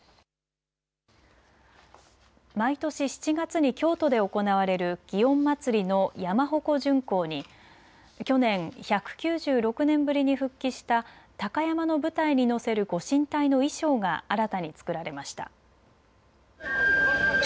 毎年７月に京都で行われる祇園祭の山鉾巡行に去年、１９６年ぶりに復帰した鷹山の舞台にのせるご神体の衣装が新たに作られました。